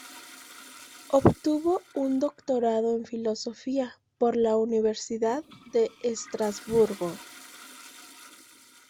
Obtuvo un doctorado en Filosofía por la Universidad de Estrasburgo.